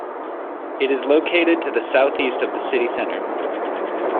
It is located to the southeast of the city centre.